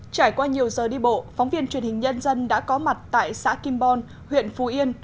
trải qua nhiều giờ đi bộ phóng viên truyền hình nhân dân đã có mặt tại xã kim bon huyện phú yên